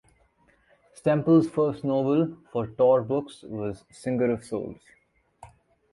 Stemple's first novel, for Tor Books, was "Singer of Souls".